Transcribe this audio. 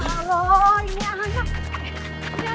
ya allah ini anak